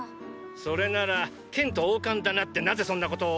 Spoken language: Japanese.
それなら剣と王冠だなってなぜそんなことを？